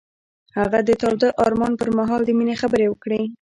هغه د تاوده آرمان پر مهال د مینې خبرې وکړې.